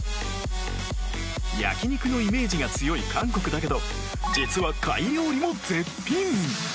焼肉のイメージが強い韓国だけど実は貝料理も絶品！